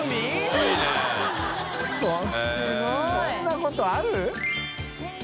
そんなことある？